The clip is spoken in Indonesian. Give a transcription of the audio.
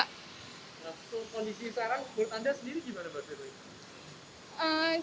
nah kondisi sekarang menurut anda sendiri gimana